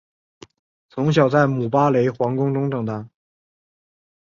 从小在姆巴雷皇宫中长大。